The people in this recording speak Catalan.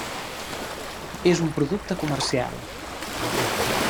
És un producte comercial.